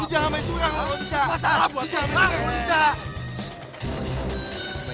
tidak ada apa apa